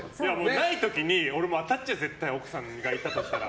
ない時に俺も当たっちゃう奥さんがいたとしたら。